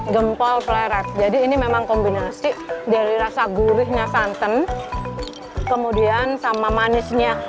gempol pleret jadi ini memang kombinasi dari rasa gurihnya santan kemudian sama manisnya